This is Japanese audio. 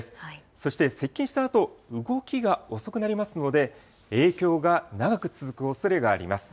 そして接近したあと、動きが遅くなりますので、影響が長く続くおそれがあります。